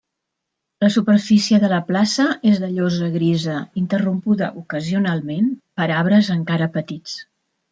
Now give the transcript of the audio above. La superfície de la plaça és de llosa grisa, interrompuda ocasionalment per arbres encara petits.